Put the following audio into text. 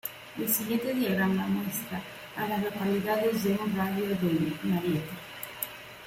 El siguiente diagrama muestra a las localidades en un radio de de Marietta.